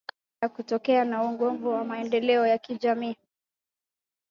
kiwewe baada ya tukio na unyogovuMaendeleo ya kijamii